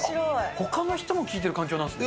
ほかの人も聴いてる環境なんですね。